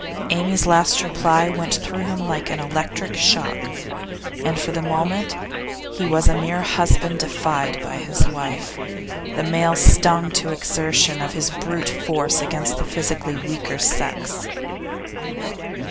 Amy's last reply went through him like an electric shock, and for the moment he was a mere husband defied by his wife, the male stung to exertion of his brute force against the physically weaker sex.